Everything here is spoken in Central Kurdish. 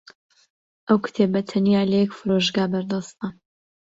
ئەو کتێبە تەنیا لە یەک فرۆشگا بەردەستە.